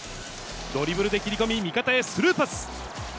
ドリブルで切り込み、味方へスルーパス。